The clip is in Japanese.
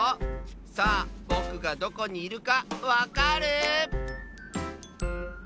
さあぼくがどこにいるかわかる？